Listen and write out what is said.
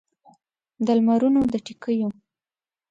د لمرونو د ټکېو